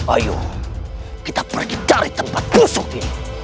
ayo kita pergi dari tempat duduk ini